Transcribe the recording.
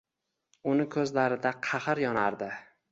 Uni ko‘zlarida qaxr yonardi.